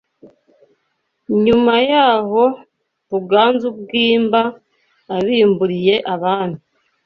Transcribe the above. Nyuma y’aho Ruganzu I Bwimba abimburiye Abami